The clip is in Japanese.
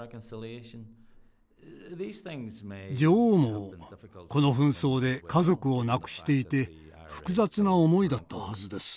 女王もこの紛争で家族を亡くしていて複雑な思いだったはずです。